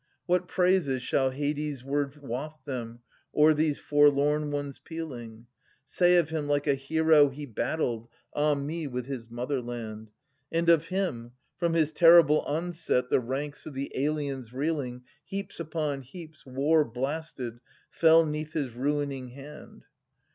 3) What praises shall Hadesward waft them, o'er these forlorn ones pealing ? Say of him :* Like a hero he battled— 4di me, with his motherland !' And of him :' From his terrible onset the ranks of the aliens reeling Heaps upon heaps war blasted fell 'neath his ruin ing hand.'